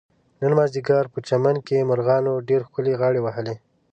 نن مازدیګر په چمن کې مرغانو ډېر ښکلې غاړې وهلې.